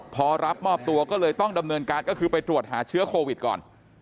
พอรับมอบตัวก็เลยต้องดำเนินการก็คือไปตรวจหาเชื้อโควิดก่อน